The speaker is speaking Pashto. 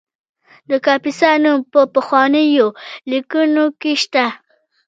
د کاپیسا نوم په پخوانیو لیکنو کې شته